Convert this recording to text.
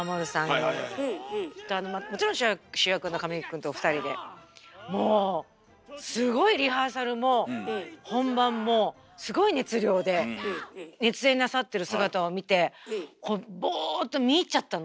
はいはいはいはい。ともちろん主役の神木くんと２人でもうすごいリハーサルも本番もすごい熱量で熱演なさってる姿を見てボーっと見入っちゃったの。